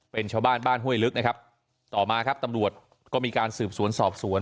เป็นชาวบ้านบ้านห้วยลึกนะครับต่อมาครับตำรวจก็มีการสืบสวนสอบสวน